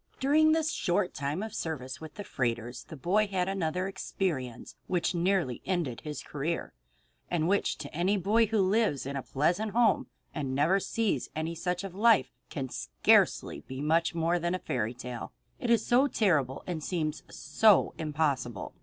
During this short term of service with the freighters the boy had another experience which nearly ended his career, and which to any boy who lives in a pleasant home and never sees any such life can scarcely be much more than a fairy tale, it is so terrible and seems so impossible.